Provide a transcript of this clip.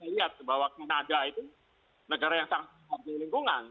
kita lihat bahwa kanada itu negara yang sangat tidak memiliki lingkungan